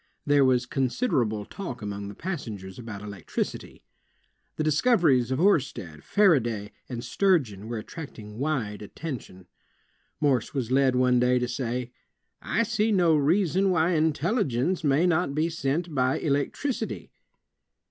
There was considerable talk among the passengers about electricity. The discoveries of Oersted, Faraday, and Sturgeon were attracting wide attention. Morse was led one day to say: "I see no reason why intelligence may not be sent by electricity."